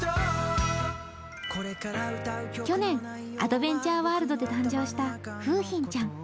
去年、アドベンチャーワールドで生まれた楓浜ちゃん。